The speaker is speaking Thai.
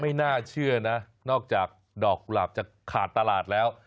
ไม่น่าเชื่อนะนอกจากดอกกุหลาบจะขาดตลาดแล้ว